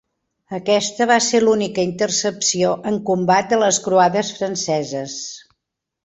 Aquesta va ser l'única intercepció en combat de les croades franceses.